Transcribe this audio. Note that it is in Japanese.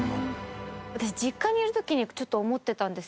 私実家にいる時にちょっと思ってたんですよね